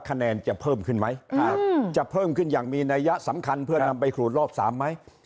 คะแนนจะเพิ่มขึ้นไหมจะเพิ่มขึ้นอย่างมีนัยยะสำคัญเพื่อนำไปขูดรอบ๓ไหม